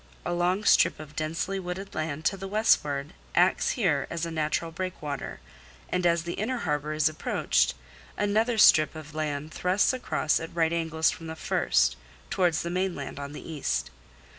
A long strip of densely wooded land to westward acts here as a natural breakwater, and as the inner harbour is approached, another strip of land thrusts across at right angles from the first, towards the mainland on the east.